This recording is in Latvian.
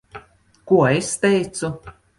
Ko es teicu?